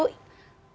kita bisa mengatakan